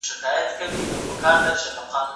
دویم ډول شکر د انسولین په غبرګون کې ستونزه لري.